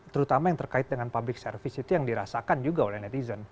terutama yang terkait dengan public service itu yang dirasakan juga oleh netizen